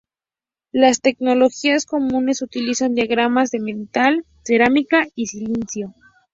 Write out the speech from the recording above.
Las tecnologías comunes utilizan diafragmas de metal, cerámica y silicio.